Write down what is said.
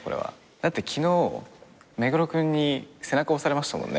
だって昨日目黒君に背中押されましたもんね。